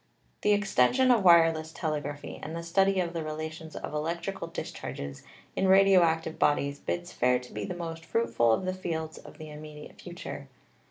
The extension of wireless telegraphy and the study of the relations of electrical discharges in radio active bodies bids fair to be the most fruitful of the fields of the im mediate future.